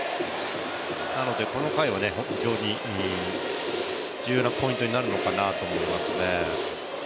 なので、この回は非常に重要なポイントになるのかなと思います。